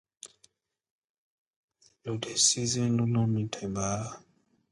Nicole and Simon hide in a utility closet until the museum closes.